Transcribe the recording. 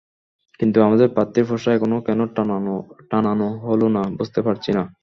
কিন্তু আমাদের প্রার্থীর পোস্টার এখনো কেন টানানো হলো না, বুঝতে পারছি না।